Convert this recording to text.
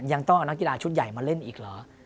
ยังต้องเอานักกีฬาชุดใหญ่มาเล่นอีกเหรอ